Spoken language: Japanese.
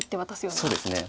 そうですね。